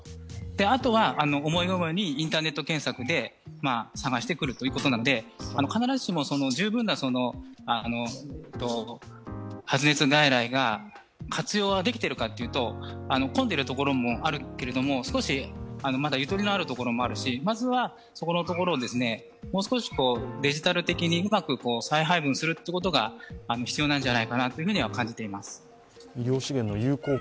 あとは思い思いにインターネット検索でかけてくるということなので必ずしも十分な発熱外来が活用できているかというと、混んでいるところもあるけれども、少しゆとりのあるところもあるしまずはそこのところをもう少しデジタル的にうまく再配分するということが必要なんじゃないかなというふうには感じています。